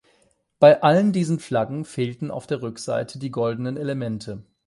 Bei allen diesen Flaggen fehlten auf der Rückseite die goldenen Elemente.